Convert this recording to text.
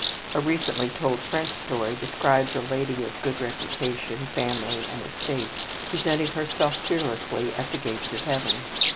A recently told French story describes a lady of good reputation, family, and estate, presenting herself fearlessly at the gates of Heaven.